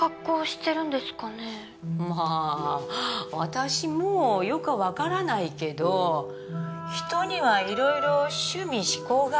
まあ私もよくはわからないけど人にはいろいろ趣味嗜好があるから。